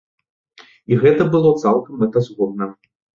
І гэта было цалкам мэтазгодна.